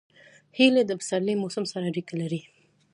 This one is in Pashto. هیلۍ د پسرلي موسم سره اړیکه لري